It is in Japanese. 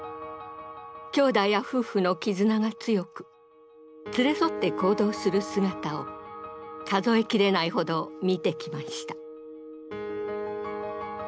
兄弟や夫婦の絆が強く連れ添って行動する姿を数え切れないほど見てきました。